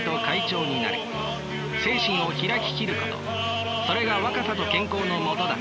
精神をひらききることそれが若さと健康のもとだ。